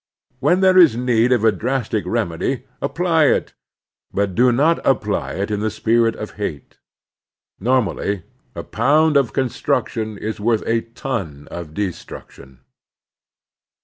When there is need of a drastic remedy, apply it, but do not apply it in the spirit of hate. Normally a poimd of construction is worth a ton of destruction.